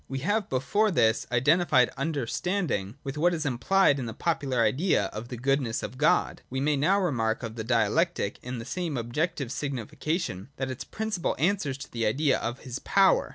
We have before this (§ 80) identified Understanding with what is implied in the popular idea of the goodness of God ; we may now remark of Dialectic, in the same objective sig nification, that its principle answers to the idea of his power.